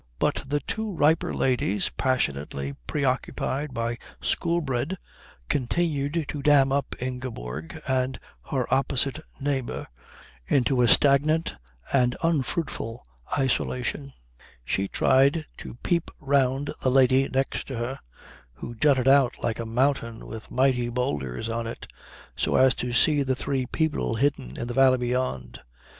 But the two riper ladies, passionately preoccupied by Shoolbred, continued to dam up Ingeborg and her opposite neighbour into a stagnant and unfruitful isolation. She tried to peep round the lady next to her, who jutted out like a mountain with mighty boulders on it, so as to see the three people hidden in the valley beyond.